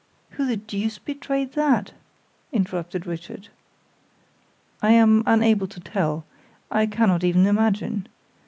"Who the deuce betrayed that?" interrupted Richard. "I am unable to tell; I cannot even imagine.